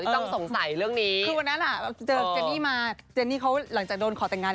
เจนี่เขาหลังจากโดนขอแต่งงาน